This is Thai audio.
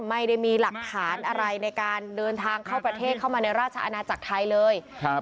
ไม่ได้มีหลักฐานอะไรในการเดินทางเข้าประเทศเข้ามาในราชอาณาจักรไทยเลยครับ